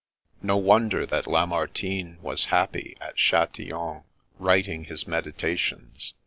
No wonder that Lamartine was happy at Chatillon, writing his Medi tations!